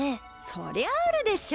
そりゃあるでしょ。